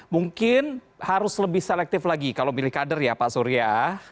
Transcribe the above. mungkin harus lebih selektif lagi kalau milih kader ya pak surya